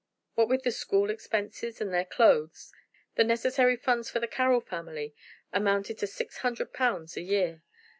What with their school expenses and their clothes, the necessary funds for the Carroll family amounted to six hundred pounds a year.